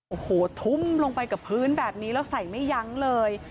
โอ้โหทุ่มลงไปกับพื้นแบบนี้แล้วใส่ไม่ยั้งเลย